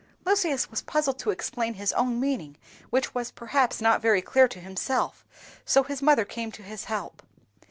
Lucius was puzzled to explain his own meaning, which was perhaps not very clear to himself, so his mother came to his help.